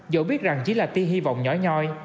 dẫu biết rằng chỉ là ti hy vọng nhỏ nhoi